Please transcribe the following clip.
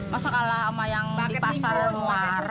masak ala sama yang di pasar ruara